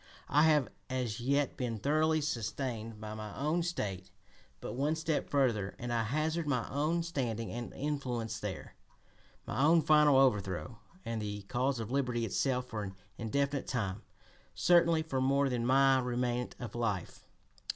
I have as yet been thoroughly sustained by my own State, but one step further and I hazard my own standing and influence there, my own final overthrow, and the cause of liberty itself for an indefinite time, certainly for more than my remnant of life.